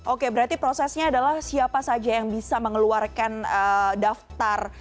oke berarti prosesnya adalah siapa saja yang bisa mengeluarkan daftar